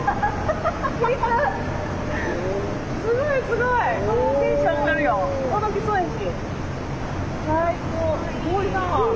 すごいなあ。